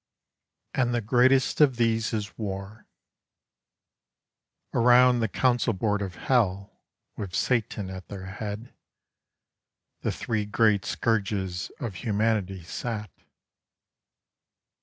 AND THE GREATEST OF THESE IS WAR Around the council board of Hell, with Satan at their head, The Three Great Scourges of humanity sat.